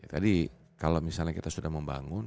tadi kalau misalnya kita sudah membangun